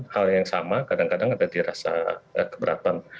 hal yang sama kadang kadang ada dirasa keberatan